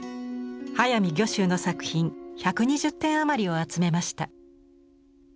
速水御舟の作品１２０点余りを集めました。